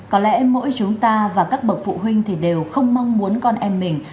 có lẽ mỗi chúng ta và các bậc phụ huynh thì đều không mong muốn con em mình